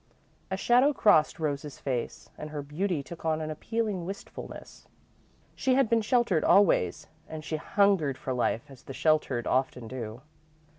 A shadow crossed Rose's face and her beauty took on an appealing wistfulness. She had been sheltered always and she hungered for Life as the sheltered often do.